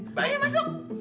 udah ayo masuk